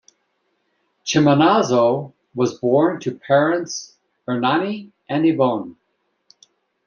Chiminazzo was born to parents Ernani and Ivone.